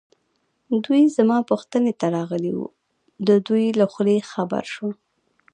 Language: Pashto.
دوی زما پوښتنې ته راغلي وو، د دوی له خولې خبر شوم.